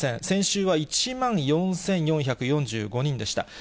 先週は１万４４４５人でした。